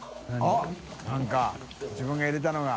なんか自分が入れたのが。）